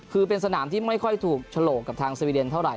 คือเป็นสนามที่ไม่ค่อยถูกฉลกกับทางสวีเดนเท่าไห